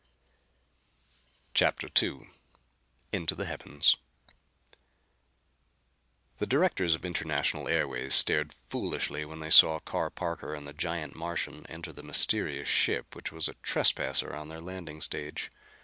CHAPTER II Into the Heavens The directors of International Airways stared foolishly when they saw Carr Parker and the giant Martian enter the mysterious ship which was a trespasser on their landing stage.